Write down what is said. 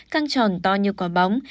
căng tròn to như quả bóng